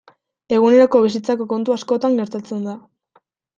Eguneroko bizitzako kontu askotan gertatzen da.